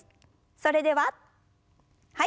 それでははい。